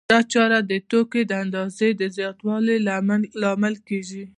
دا چاره د توکو د اندازې د زیاتوالي لامل کېږي